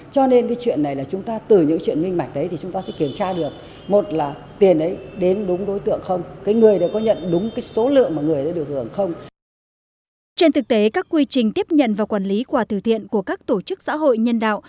trên thực tế các quy trình tiếp nhận và quản lý quà từ thiện của các tổ chức xã hội nhân đạo